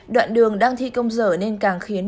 đoạn đường đang thi công dở nên càng khiến